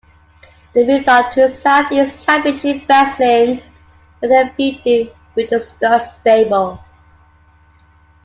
They moved on to Southeast Championship Wrestling where they feuded with The Stud Stable.